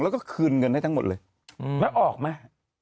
แล้วก็คืนเงินให้ทั้งหมดเลยแล้วออกไหม